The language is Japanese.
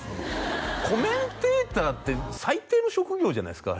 コメンテーターって最低の職業じゃないですか？